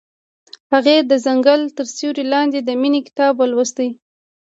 هغې د ځنګل تر سیوري لاندې د مینې کتاب ولوست.